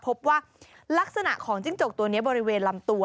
พบว่าลักษณะของจิ้งจกตัวนี้บริเวณลำตัว